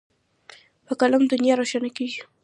په قلم دنیا روښانه کېږي.